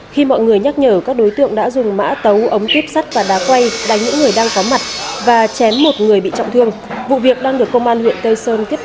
khi mọi người nhắc nhở các đối tượng đã dùng mã tấu ống tuyếp sắt và đá quay đánh những người đang có mặt và chém một người bị trọng thương vụ việc đang được công an huyện tây sơn tiếp tục